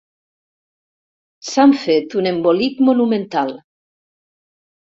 S'han fet un embolic monumental.